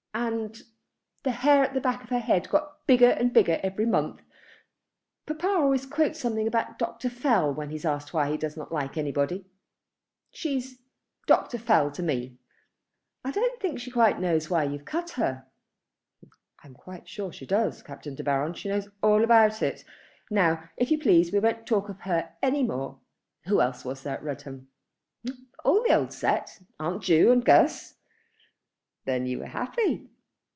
"And the hair at the back of her head got bigger and bigger every month. Papa always quotes something about Dr. Fell when he's asked why he does not like anybody. She's Dr. Fell to me." "I don't think she quite knows why you've cut her." "I'm quite sure she does, Captain De Baron. She knows all about it. And now, if you please, we won't talk of her any more. Who else was there at Rudham?" "All the old set. Aunt Ju and Guss." "Then you were happy."